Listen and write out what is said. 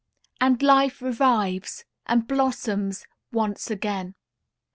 And life revives, and blossoms once again.